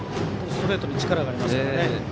ストレートに力がありますからね。